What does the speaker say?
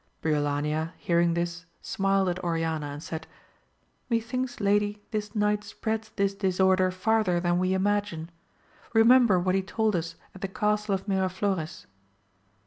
Briolania hearing this smiled at Oriana and said, Methinks lady this knight spreads this disorder farther than we imagine ! remember what he told us at the castle of Miraflores.